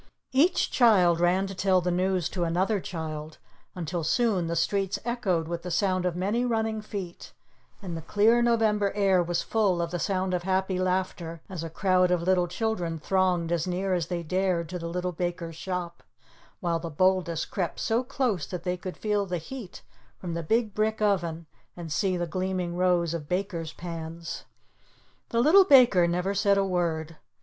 Each child ran to tell the news to another child until soon the streets echoed with the sound of many running feet, and the clear November air was full of the sound of happy laughter, as a crowd of little children thronged as near as they dared to the Little Baker's shop, while the boldest crept so close that they could feel the heat from the big brick oven, and see the gleaming rows of baker's pans. The Little Baker never said a word.